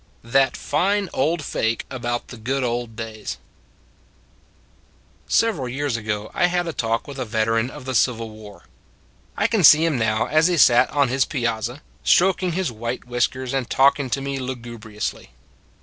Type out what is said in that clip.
THAT FINE OLD FAKE ABOUT THE GOOD OLD DAYS SEVERAL years ago I had a talk with a veteran of the Civil War. I can see him now as he sat on his piazza, stroking his white whiskers and talking to me lugubriously.